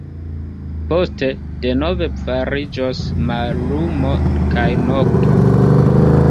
Poste denove fariĝos mallumo kaj nokto.